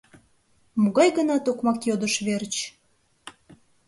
— Могай-гынат окмак йодыш верч.